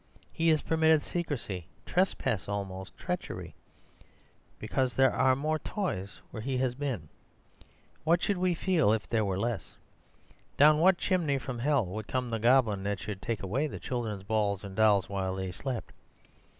He is permitted secrecy, trespass, almost treachery—because there are more toys where he has been. What should we feel if there were less? Down what chimney from hell would come the goblin that should take away the children's balls and dolls while they slept?